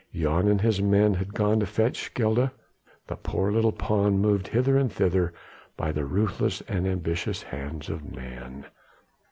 Jan and his men had gone to fetch Gilda the poor little pawn moved hither and thither by the ruthless and ambitious hands of men.